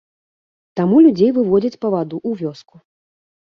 Таму людзей выводзяць па ваду ў вёску.